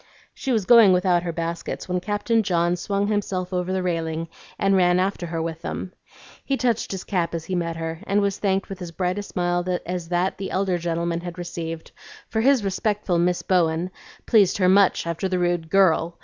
She was going without her baskets when Captain John swung himself over the railing, and ran after her with them. He touched his cap as he met her, and was thanked with as bright a smile as that the elder gentleman had received; for his respectful "Miss Bowen" pleased her much after the rude "Girl!"